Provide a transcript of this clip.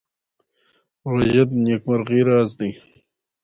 روژه د نېکمرغۍ راز دی.